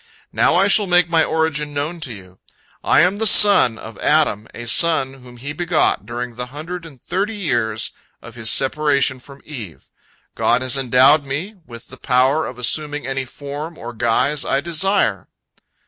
Now I shall make my origin known to you. I am the son of Adam, a son whom he begot during the hundred and thirty years of his separation from Eve. God has endowed me with the power of assuming any form or guise I desire."